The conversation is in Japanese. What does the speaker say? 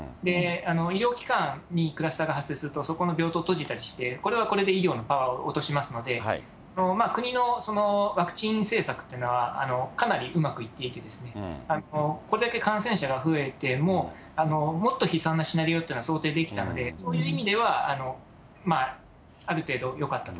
医療機関にクラスターが発生すると、そこの病棟閉じたりして、これはこれで医療のパワーを落としますので、国のワクチン政策というのは、かなりうまくいっていて、これだけ感染者が増えても、もっと悲惨なシナリオというのは想定できたので、そういう意味では、ある程度よかったと。